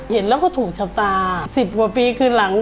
เห็นแล้วก็ถูกชะตา๑๐กว่าปีคือหลัง